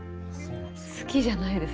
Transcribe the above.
好きじゃないです。